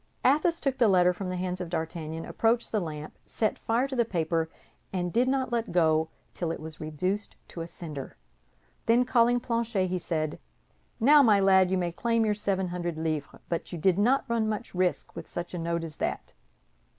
Athos took the letter from the hands of D'Artagnan, approached the lamp, set fire to the paper, and did not let go till it was reduced to a cinder. Then, calling Planchet, he said, "Now, my lad, you may claim your seven hundred livres, but you did not run much risk with such a note as that."